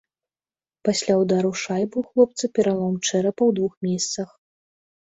Пасля ўдару шайбы ў хлопца пералом чэрапа ў двух месцах.